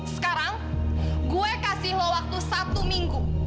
sekarang gue kasih loh waktu satu minggu